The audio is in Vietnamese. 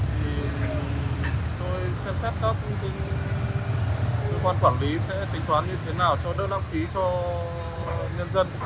thì tôi xem xét các cơ quan quản lý sẽ tính toán như thế nào cho đỡ đăng ký cho nhân dân